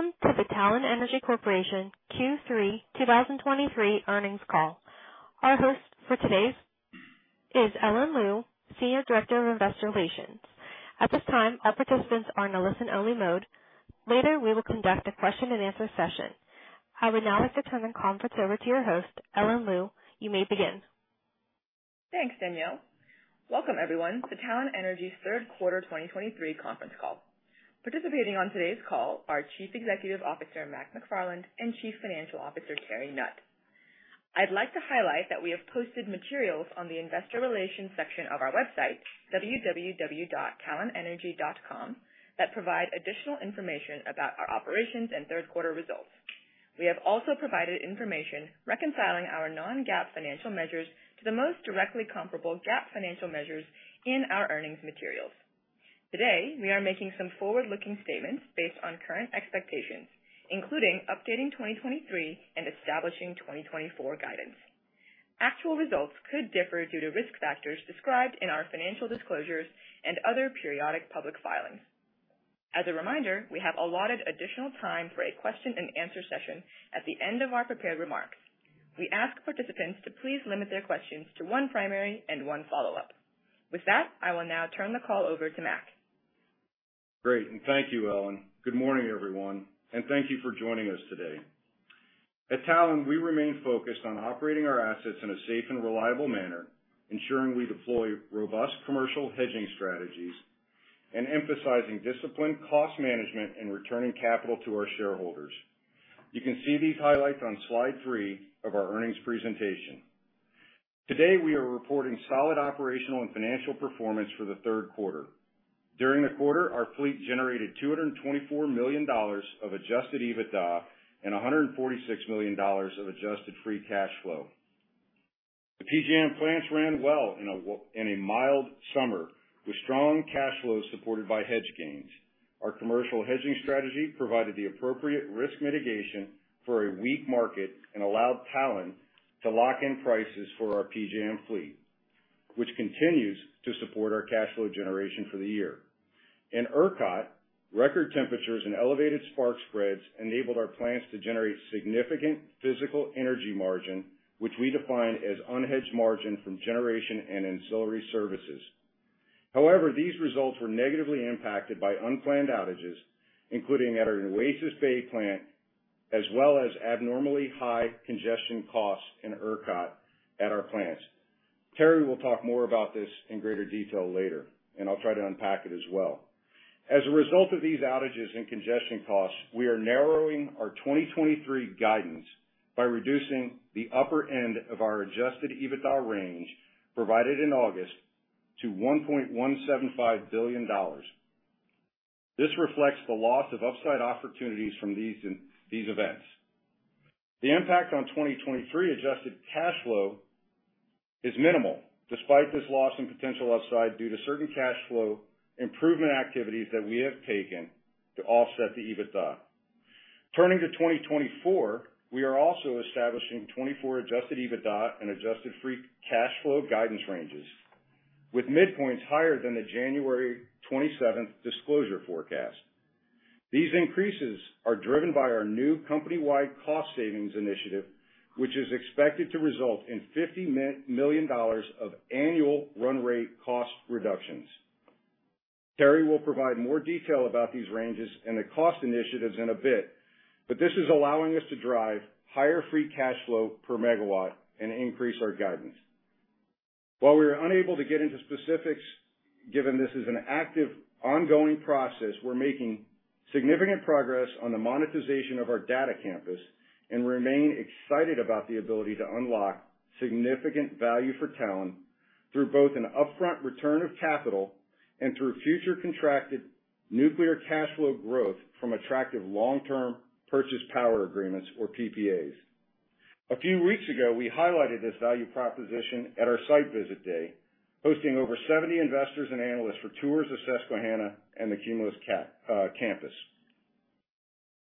Welcome to the Talen Energy Corporation Q3 2023 earnings call. Our host for today's is Ellen Liu, Senior Director of Investor Relations. At this time, all participants are in a listen-only mode. Later, we will conduct a question-and-answer session. I would now like to turn the conference over to your host, Ellen Liu. You may begin. Thanks, Danielle. Welcome everyone, to Talen Energy's third quarter 2023 conference call. Participating on today's call are Chief Executive Officer, Mac McFarland, and Chief Financial Officer, Terry Nutt. I'd like to highlight that we have posted materials on the investor relations section of our website, www.talenenergy.com, that provide additional information about our operations and third quarter results. We have also provided information reconciling our non-GAAP financial measures to the most directly comparable GAAP financial measures in our earnings materials. Today, we are making some forward-looking statements based on current expectations, including updating 2023 and establishing 2024 guidance. Actual results could differ due to risk factors described in our financial disclosures and other periodic public filings. As a reminder, we have allotted additional time for a question-and-answer session at the end of our prepared remarks. We ask participants to please limit their questions to one primary and one follow-up. With that, I will now turn the call over to Mac. Great, and thank you, Ellen. Good morning, everyone, and thank you for joining us today. At Talen, we remain focused on operating our assets in a safe and reliable manner, ensuring we deploy robust commercial hedging strategies and emphasizing disciplined cost management and returning capital to our shareholders. You can see these highlights on slide three of our earnings presentation. Today, we are reporting solid operational and financial performance for the third quarter. During the quarter, our fleet generated $224 million of adjusted EBITDA and $146 million of adjusted free cash flow. The PJM plants ran well in a mild summer, with strong cash flows supported by hedge gains. Our commercial hedging strategy provided the appropriate risk mitigation for a weak market and allowed Talen to lock in prices for our PJM fleet, which continues to support our cash flow generation for the year. In ERCOT, record temperatures and elevated spark spreads enabled our plants to generate significant physical energy margin, which we define as unhedged margin from generation and ancillary services. However, these results were negatively impacted by unplanned outages, including at our Nueces Bay plant, as well as abnormally high congestion costs in ERCOT at our plants. Terry will talk more about this in greater detail later, and I'll try to unpack it as well. As a result of these outages and congestion costs, we are narrowing our 2023 guidance by reducing the upper end of our adjusted EBITDA range provided in August to $1.175 billion. This reflects the loss of upside opportunities from these events. The impact on 2023 adjusted cash flow is minimal despite this loss and potential upside, due to certain cash flow improvement activities that we have taken to offset the EBITDA. Turning to 2024, we are also establishing 2024 adjusted EBITDA and adjusted free cash flow guidance ranges, with midpoints higher than the January 27th disclosure forecast. These increases are driven by our new company-wide cost savings initiative, which is expected to result in $50 million of annual run rate cost reductions. Terry will provide more detail about these ranges and the cost initiatives in a bit, but this is allowing us to drive higher free cash flow per megawatt and increase our guidance. While we are unable to get into specifics, given this is an active, ongoing process, we're making significant progress on the monetization of our data campus and remain excited about the ability to unlock significant value for Talen through both an upfront return of capital and through future contracted nuclear cash flow growth from attractive long-term purchase power agreements or PPAs. A few weeks ago, we highlighted this value proposition at our site visit day, hosting over 70 investors and analysts for tours of Susquehanna and the Cumulus campus.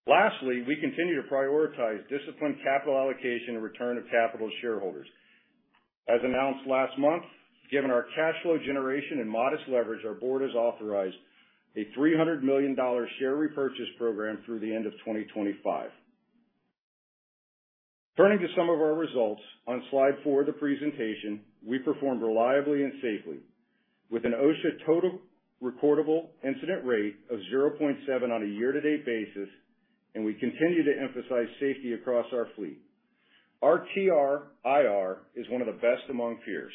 Lastly, we continue to prioritize disciplined capital allocation and return of capital to shareholders. As announced last month, given our cash flow generation and modest leverage, our board has authorized a $300 million share repurchase program through the end of 2025. Turning to some of our results on slide four of the presentation, we performed reliably and safely with an OSHA total recordable incident rate of 0.7 on a year-to-date basis, and we continue to emphasize safety across our fleet. Our TRIR is one of the best among peers.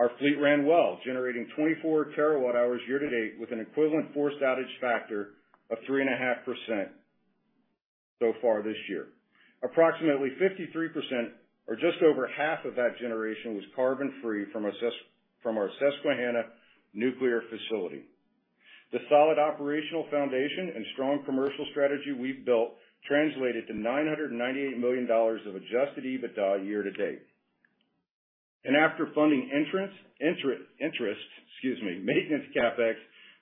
Our fleet ran well, generating 24 TWh year-to-date, with an equivalent forced outage factor of 3.5% so far this year. Approximately 53% or just over half of that generation was carbon-free from our Susquehanna nuclear facility. The solid operational foundation and strong commercial strategy we've built translated to $998 million of adjusted EBITDA year to date. And after funding entrants... interests, maintenance, CapEx,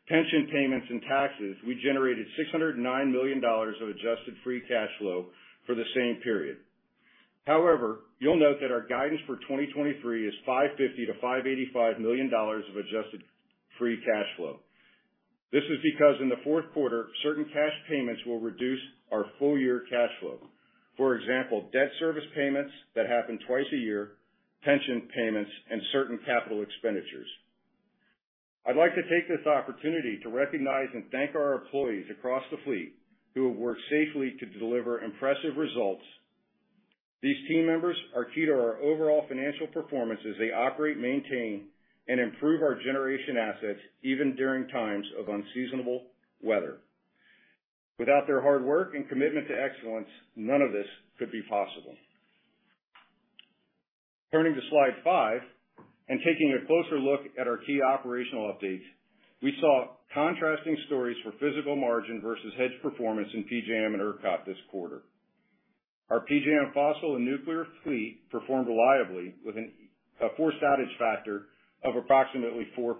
pension payments, and taxes, we generated $609 million of Adjusted Free Cash Flow for the same period. However, you'll note that our guidance for 2023 is $550 million-$585 million of Adjusted Free Cash Flow. This is because in the fourth quarter, certain cash payments will reduce our full year cash flow. For example, debt service payments that happen twice a year, pension payments, and certain capital expenditures. I'd like to take this opportunity to recognize and thank our employees across the fleet, who have worked safely to deliver impressive results. These team members are key to our overall financial performance as they operate, maintain, and improve our generation assets, even during times of unseasonable weather. Without their hard work and commitment to excellence, none of this could be possible. Turning to slide five, and taking a closer look at our key operational updates, we saw contrasting stories for physical margin versus hedge performance in PJM and ERCOT this quarter. Our PJM fossil and nuclear fleet performed reliably with a forced outage factor of approximately 4%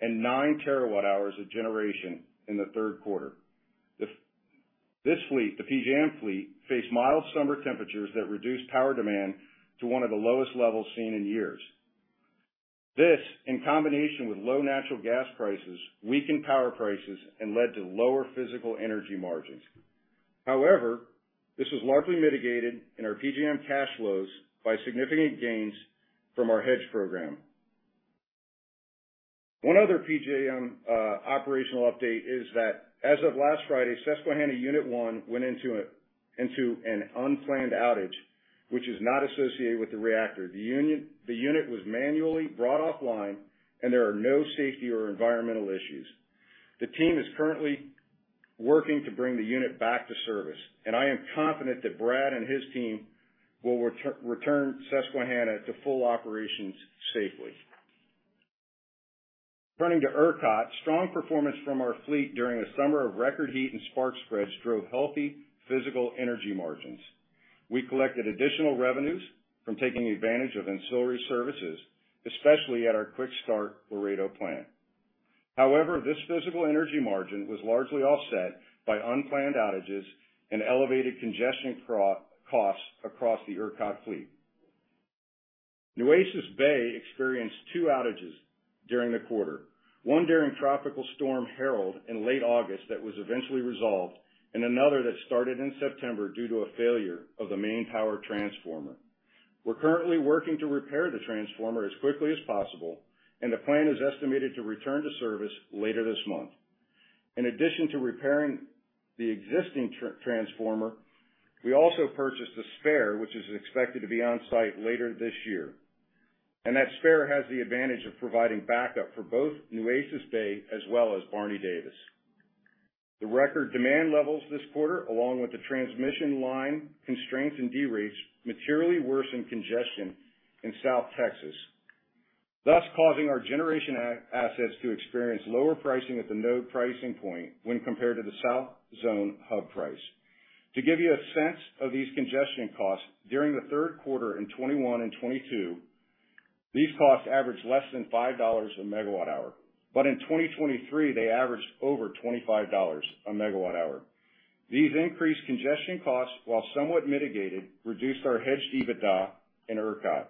and 9 TWh of generation in the third quarter. This fleet, the PJM fleet, faced mild summer temperatures that reduced power demand to one of the lowest levels seen in years. This, in combination with low natural gas prices, weakened power prices and led to lower physical energy margins. However, this was largely mitigated in our PJM cash flows by significant gains from our hedge program. One other PJM operational update is that, as of last Friday, Susquehanna Unit 1 went into an unplanned outage, which is not associated with the reactor. The unit was manually brought offline, and there are no safety or environmental issues. The team is currently working to bring the unit back to service, and I am confident that Brad and his team will return Susquehanna to full operations safely. Turning to ERCOT, strong performance from our fleet during a summer of record heat and spark spreads drove healthy physical energy margins. We collected additional revenues from taking advantage of ancillary services, especially at our quick-start Laredo plant. However, this physical energy margin was largely offset by unplanned outages and elevated congestion costs across the ERCOT fleet. Nueces Bay experienced two outages during the quarter, one during Tropical Storm Harold in late August that was eventually resolved, and another that started in September due to a failure of the main power transformer. We're currently working to repair the transformer as quickly as possible, and the plant is estimated to return to service later this month. In addition to repairing the existing transformer, we also purchased a spare, which is expected to be on site later this year. And that spare has the advantage of providing backup for both Nueces Bay as well as Barney Davis. The record demand levels this quarter, along with the transmission line constraints and derates, materially worsened congestion in South Texas, thus causing our generation assets to experience lower pricing at the node pricing point when compared to the South Zone hub price. To give you a sense of these congestion costs, during the third quarter in 2021 and 2022, these costs averaged less than $5/MWh, but in 2023, they averaged over $25/MWh. These increased congestion costs, while somewhat mitigated, reduced our hedged EBITDA in ERCOT.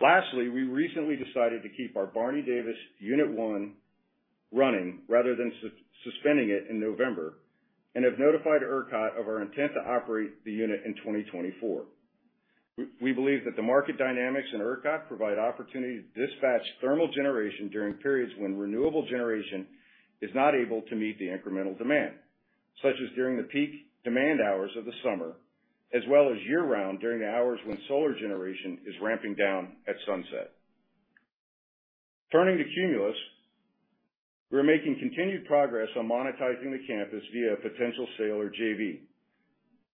Lastly, we recently decided to keep our Barney Davis Unit 1 running rather than suspending it in November, and have notified ERCOT of our intent to operate the unit in 2024. We believe that the market dynamics in ERCOT provide opportunity to dispatch thermal generation during periods when renewable generation is not able to meet the incremental demand, such as during the peak demand hours of the summer, as well as year-round during the hours when solar generation is ramping down at sunset. Turning to Cumulus, we're making continued progress on monetizing the campus via a potential sale or JV.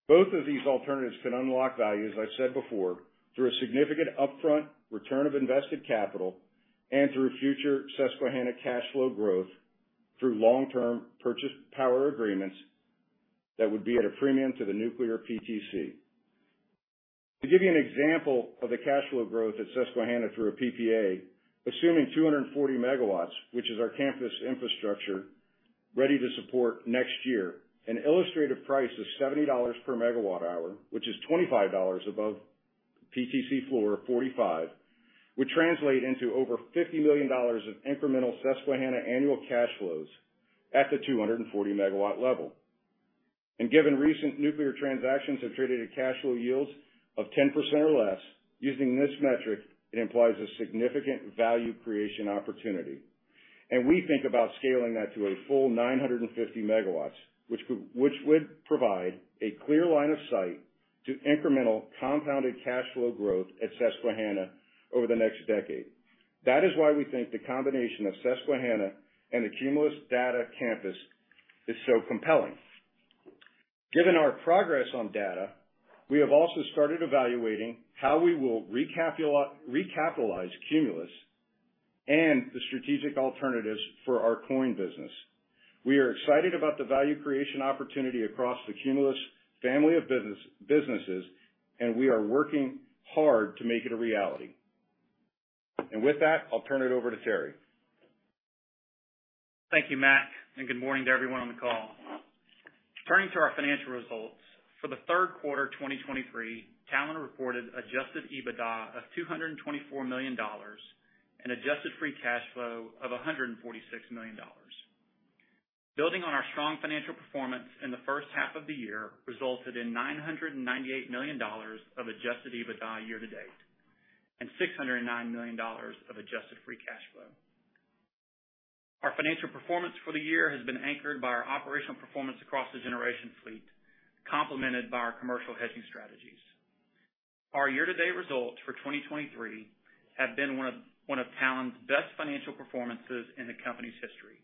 Both of these alternatives can unlock value, as I've said before, through a significant upfront return of invested capital and through future Susquehanna cash flow growth through long-term power purchase agreements that would be at a premium to the nuclear PTC. To give you an example of the cash flow growth at Susquehanna through a PPA, assuming 240 MW, which is our campus infrastructure, ready to support next year, an illustrative price of $70 per MWh, which is $25 above PTC floor of $45, would translate into over $50 million of incremental Susquehanna annual cash flows at the 240-MW level. And given recent nuclear transactions have traded at cash flow yields of 10% or less, using this metric, it implies a significant value creation opportunity. We think about scaling that to a full 950 MW, which would provide a clear line of sight to incremental compounded cash flow growth at Susquehanna over the next decade. That is why we think the combination of Susquehanna and the Cumulus data campus is so compelling. Given our progress on data, we have also started evaluating how we will recapitalize Cumulus and the strategic alternatives for our coin business. We are excited about the value creation opportunity across the Cumulus family of businesses, and we are working hard to make it a reality. And with that, I'll turn it over to Terry. Thank you, Mac, and good morning to everyone on the call. Turning to our financial results. For the third quarter of 2023, Talen reported Adjusted EBITDA of $224 million and Adjusted Free Cash Flow of $146 million. Building on our strong financial performance in the first half of the year resulted in $998 million of Adjusted EBITDA year to date, and $609 million of Adjusted Free Cash Flow. Our financial performance for the year has been anchored by our operational performance across the generation fleet, complemented by our commercial hedging strategies. Our year-to-date results for 2023 have been one of, one of Talen's best financial performances in the company's history,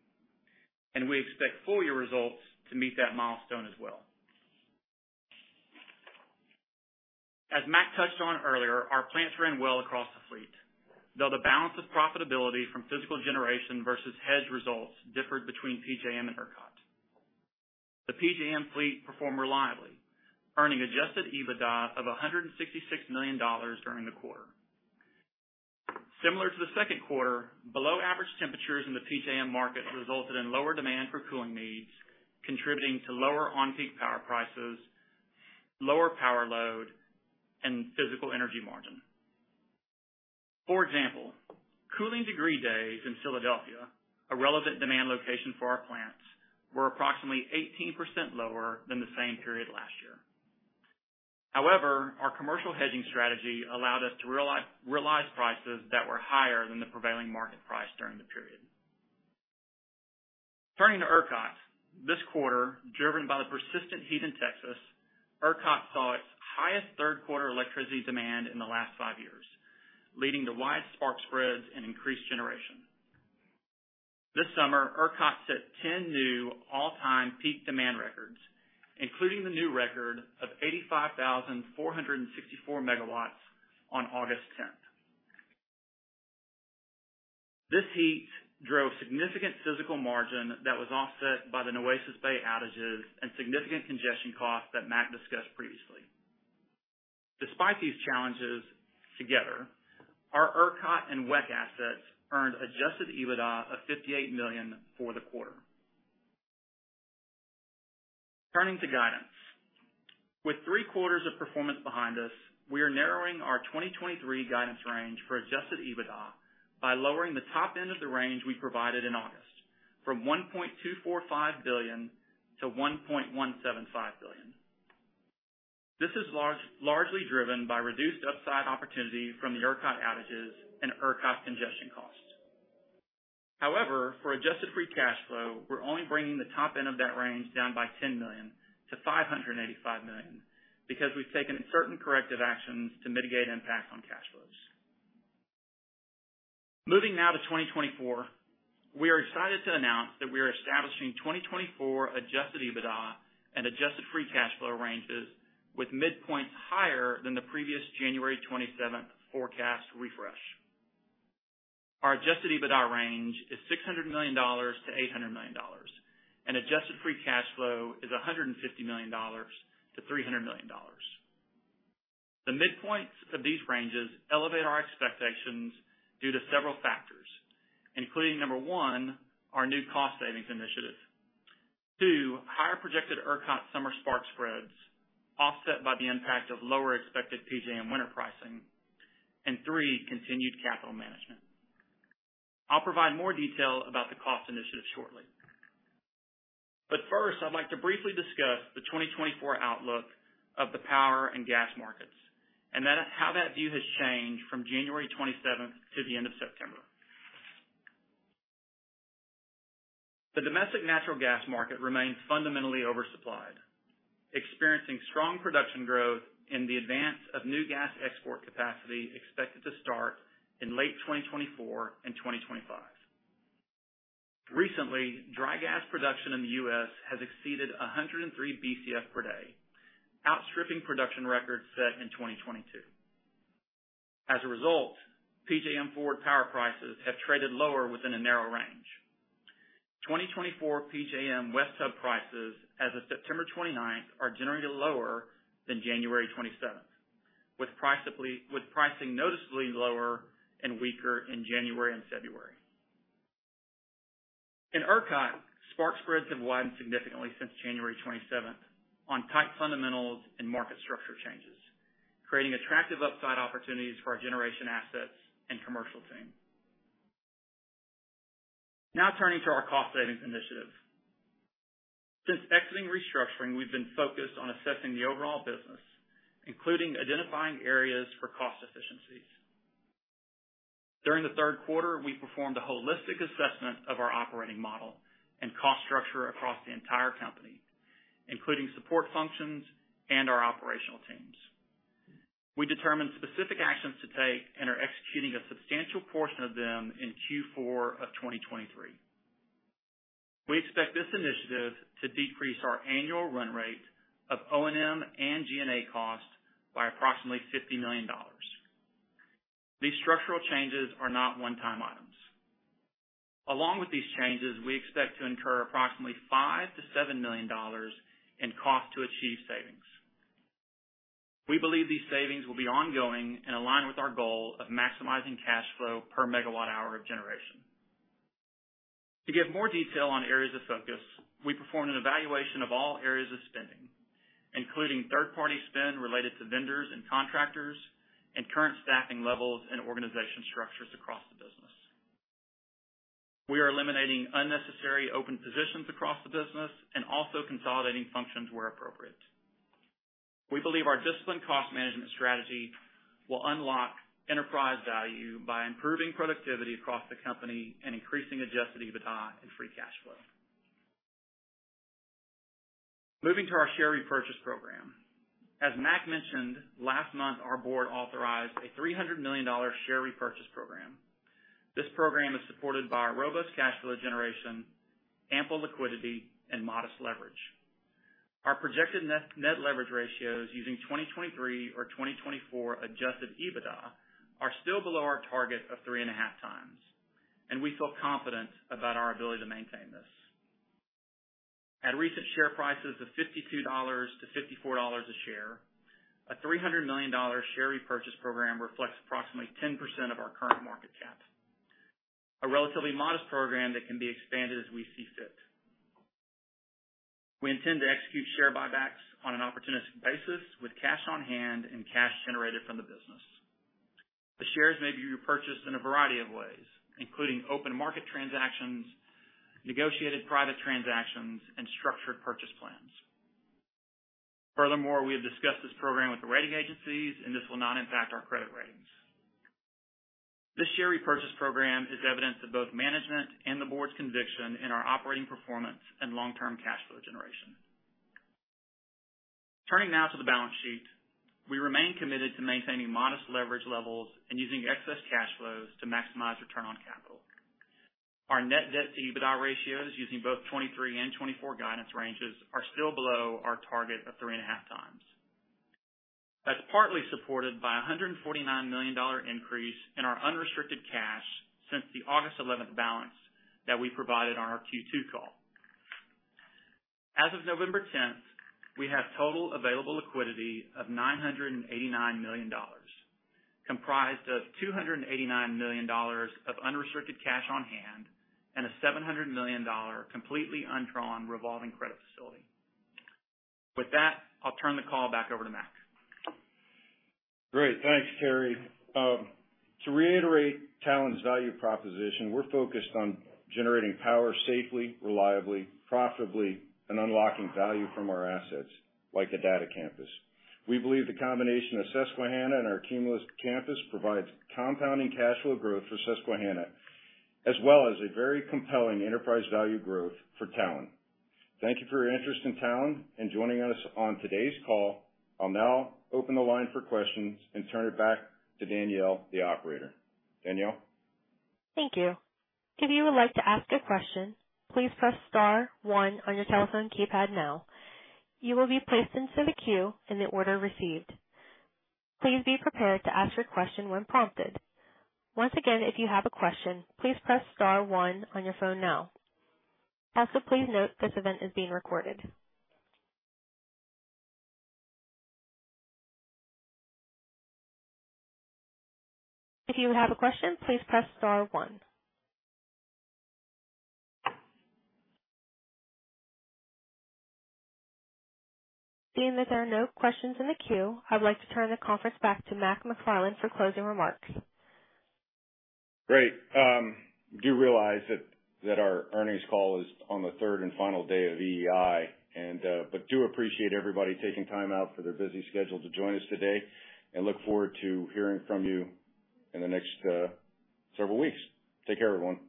and we expect full year results to meet that milestone as well. As Mac touched on earlier, our plants ran well across the fleet, though the balance of profitability from physical generation versus hedge results differed between PJM and ERCOT. The PJM fleet performed reliably, earning adjusted EBITDA of $166 million during the quarter. Similar to the second quarter, below average temperatures in the PJM market resulted in lower demand for cooling needs, contributing to lower on-peak power prices, lower power load, and physical energy margin. For example, cooling degree days in Philadelphia, a relevant demand location for our plants, were approximately 18% lower than the same period last year. However, our commercial hedging strategy allowed us to realize prices that were higher than the prevailing market price during the period. Turning to ERCOT. This quarter, driven by the persistent heat in Texas, ERCOT saw its highest third quarter electricity demand in the last five years, leading to wide spark spreads and increased generation. This summer, ERCOT set 10 new all-time peak demand records, including the new record of 85,464 MW on August tenth. This heat drove significant physical margin that was offset by the Nueces Bay outages and significant congestion costs that Mac discussed previously. Despite these challenges, together, our ERCOT and WECC assets earned Adjusted EBITDA of $58 million for the quarter. Turning to guidance. With three quarters of performance behind us, we are narrowing our 2023 guidance range for Adjusted EBITDA by lowering the top end of the range we provided in August from $1.245 billion-$1.175 billion. This is largely driven by reduced upside opportunity from the ERCOT outages and ERCOT congestion costs. However, for Adjusted Free Cash Flow, we're only bringing the top end of that range down by $10 million-$585 million, because we've taken certain corrective actions to mitigate impacts on cash flows. Moving now to 2024. We are excited to announce that we are establishing 2024 Adjusted EBITDA and Adjusted Free Cash Flow ranges with midpoints higher than the previous January 27th forecast refresh. Our Adjusted EBITDA range is $600 million-$800 million, and Adjusted Free Cash Flow is $150 million-$300 million. The midpoints of these ranges elevate our expectations due to several factors, including, number one, our new cost savings initiative. Two, higher projected ERCOT summer spark spreads, offset by the impact of lower expected PJM winter pricing. And three, continued capital management. I'll provide more detail about the cost initiative shortly. But first, I'd like to briefly discuss the 2024 outlook of the power and gas markets, and then how that view has changed from January 27th to the end of September. The domestic natural gas market remains fundamentally oversupplied, experiencing strong production growth in advance of new gas export capacity, expected to start in late 2024 and 2025. Recently, dry gas production in the U.S. has exceeded 103 BCF per day, outstripping production records set in 2022. As a result, PJM forward power prices have traded lower within a narrow range. 2024 PJM West Hub prices as of September 29th are generally lower than January 27th, with pricing noticeably lower and weaker in January and February. In ERCOT, spark spreads have widened significantly since January 27th on tight fundamentals and market structure changes, creating attractive upside opportunities for our generation assets and commercial team. Now turning to our cost savings initiative. Since exiting restructuring, we've been focused on assessing the overall business, including identifying areas for cost efficiencies. During the third quarter, we performed a holistic assessment of our operating model and cost structure across the entire company, including support functions and our operational teams. We determined specific actions to take and are executing a substantial portion of them in Q4 of 2023. We expect this initiative to decrease our annual run rate of O&M and G&A costs by approximately $50 million. These structural changes are not one-time items. Along with these changes, we expect to incur approximately $5-$7 million in costs to achieve savings. We believe these savings will be ongoing and align with our goal of maximizing cash flow per megawatt hour of generation. To give more detail on areas of focus, we performed an evaluation of all areas of spending, including third-party spend related to vendors and contractors, and current staffing levels and organization structures across the business. We are eliminating unnecessary open positions across the business and also consolidating functions where appropriate. We believe our disciplined cost management strategy will unlock enterprise value by improving productivity across the company and increasing Adjusted EBITDA and free cash flow. Moving to our share repurchase program. As Mac mentioned, last month, our board authorized a $300 million share repurchase program. This program is supported by our robust cash flow generation, ample liquidity, and modest leverage. Our projected net-net leverage ratios using 2023 or 2024 Adjusted EBITDA are still below our target of 3.5x, and we feel confident about our ability to maintain this. At recent share prices of $52-$54 a share, a $300 million share repurchase program reflects approximately 10% of our current market cap, a relatively modest program that can be expanded as we see fit. We intend to execute share buybacks on an opportunistic basis with cash on hand and cash generated from the business. The shares may be repurchased in a variety of ways, including open market transactions, negotiated private transactions, and structured purchase plans. Furthermore, we have discussed this program with the rating agencies, and this will not impact our credit ratings. This share repurchase program is evidence of both management and the board's conviction in our operating performance and long-term cash flow generation. Turning now to the balance sheet. We remain committed to maintaining modest leverage levels and using excess cash flows to maximize return on capital. Our net debt to EBITDA ratios, using both 2023 and 2024 guidance ranges, are still below our target of 3.5 times. That's partly supported by a $149 million increase in our unrestricted cash since the August 11th balance that we provided on our Q2 call. As of November 10, we have total available liquidity of $989 million, comprised of $289 million of unrestricted cash on hand and a $700 million completely undrawn revolving credit facility. With that, I'll turn the call back over to Mac. Great. Thanks, Terry. To reiterate Talen's value proposition, we're focused on generating power safely, reliably, profitably, and unlocking value from our assets, like a data campus. We believe the combination of Susquehanna and our Cumulus campus provides compounding cash flow growth for Susquehanna, as well as a very compelling enterprise value growth for Talen. Thank you for your interest in Talen and joining us on today's call. I'll now open the line for questions and turn it back to Danielle, the operator. Danielle? Thank you. If you would like to ask a question, please press star one on your telephone keypad now. You will be placed into the queue in the order received. Please be prepared to ask your question when prompted. Once again, if you have a question, please press star one on your phone now. Also, please note this event is being recorded. If you have a question, please press star one. Seeing that there are no questions in the queue, I'd like to turn the conference back to Mac McFarland for closing remarks. Great. I do realize that our earnings call is on the third and final day of EEI, and but do appreciate everybody taking time out for their busy schedule to join us today, and look forward to hearing from you in the next several weeks. Take care, everyone.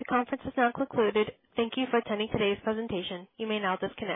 The conference is now concluded. Thank you for attending today's presentation. You may now disconnect.